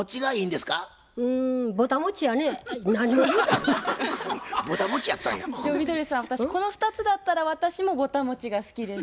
でもみどりさん私この２つだったら私もぼたもちが好きです。